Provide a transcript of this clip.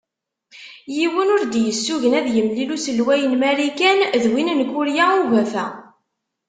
Yiwen ur d- yessugen ad yemlil uselway n Marikan d win n Kurya Ugafa.